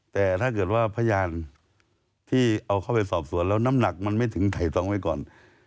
แต่ถ้าเกิดว่าพยานที่เอาเข้าไปสอบสวนแล้วน้ำหนักมันไม่ถึงไถ่ตองไว้ก่อน